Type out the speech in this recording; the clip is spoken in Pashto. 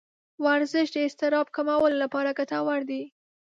ورزش د اضطراب کمولو لپاره ګټور دی.